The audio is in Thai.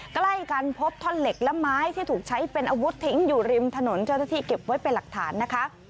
ใกล้กันพบท่อนเหล็กและไม้ที่ถูกใช้เป็นอาวุธทิ้งอยู่ริมถนนเจ้าหน้าที่เก็บไว้เป็นหลักฐานนะคะ